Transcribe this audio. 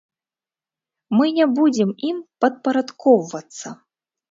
Мы не будзем ім падпарадкоўвацца.